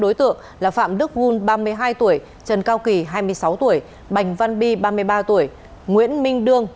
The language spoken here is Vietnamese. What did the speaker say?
đối tượng là phạm đức vun ba mươi hai tuổi trần cao kỳ hai mươi sáu tuổi bành văn bi ba mươi ba tuổi nguyễn minh đương